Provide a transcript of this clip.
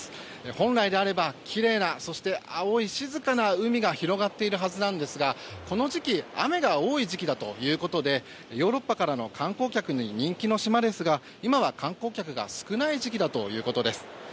本来であれば、きれいなそして青い静かな海が広がっているはずなんですがこの時期雨が多い時期だということでヨーロッパからの観光客に人気の島ですが今は観光客が少ない時期だということです。